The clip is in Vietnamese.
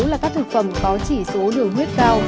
là các thực phẩm có chỉ số đường huyết cao